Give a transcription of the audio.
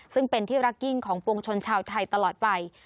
ซึ่งเป็นที่รักยิ่งของปวงชนชาวไทยตลอดไป